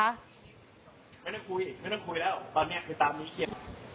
ไม่ได้คุยไม่ต้องคุยแล้วตอนนี้คือตามนี้เครียด